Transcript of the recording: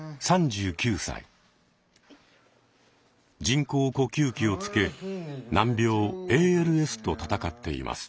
人工呼吸器をつけ難病「ＡＬＳ」と闘っています。